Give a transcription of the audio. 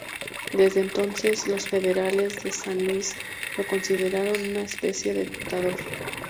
Desde entonces, los federales de San Luis lo consideraron una especie de dictador.